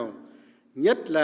nhất là những khách du lịch